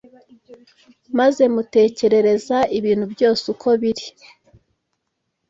maze mutekerereza ibintu byose uko biri